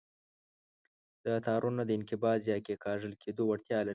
دا تارونه د انقباض یا کیکاږل کېدو وړتیا لري.